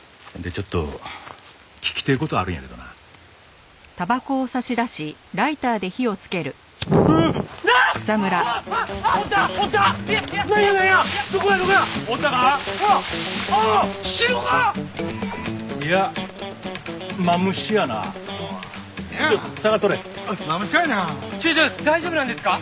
ちょちょっ大丈夫なんですか？